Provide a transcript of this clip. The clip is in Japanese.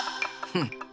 うん？